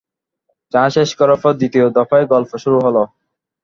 চা শেষ করার পর দ্বিতীয় দফায় গল্প শুরু হল।